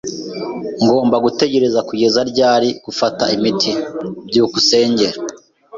Ngomba gutegereza kugeza ryari gufata imiti? byukusenge